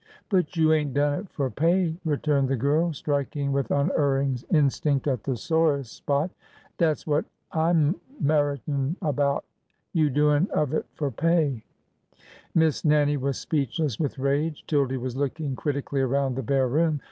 " But you ain't done it fur pay," returned the girl, ■ striking with unerring instinct at the sorest spot. " Dat 's what I 'm miratin' about, you doin' of it fur pay !" Miss Nannie was speechless with rage. Tildy was looking critically around the bare room.